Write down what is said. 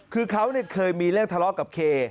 คือเขาเคยมีเรื่องทะเลาะกับเค